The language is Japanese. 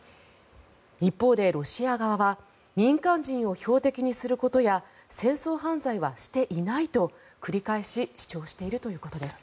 一方で、ロシア側は民間人を標的にすることや戦争犯罪はしていないと繰り返し主張しているということです。